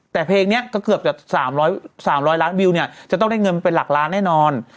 แต่เพลงนี้ก็เกือบจะ๓๐๐ล้านวิวเนี่ยจะต้องได้เงินเป็นหลักล้านแน่นอน